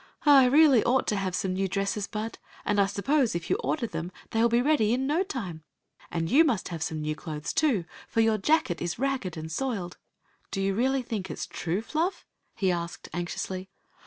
" I really ought to have some new dresses. Bud. And I suppose if you order them they will be ready in no time. And you must have some new clothes, too, for your jacket is ragged and soiled. " Do you really think it s true. Fluff? " he asked anxiously.